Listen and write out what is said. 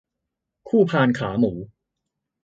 คู่พานขาหมู